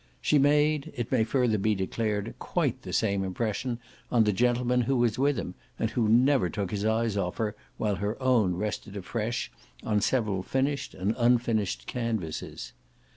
She made, it may further be declared, quite the same impression on the gentleman who was with him and who never took his eyes off her while her own rested afresh on several finished and unfinished canvases.